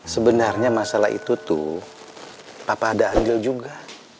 sebenarnya masalah itu tuh papa ada anggil juga